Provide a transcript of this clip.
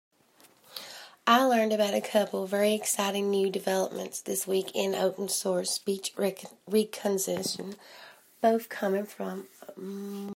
I learned about a couple very exciting new developments this week in open source speech recognition, both coming from Mozilla.